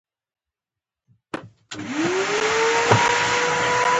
او ټاکل سوې ده چي د سنګکارۍ ټولي چاري